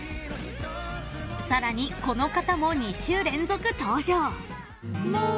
［さらにこの方も２週連続登場］